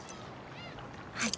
はい。